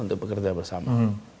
untuk bekerja bersama